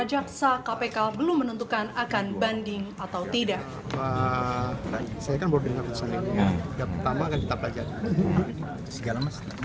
kapsa kpk belum menentukan akan banding atau tidak saya kan baru dengar dengar kita belajar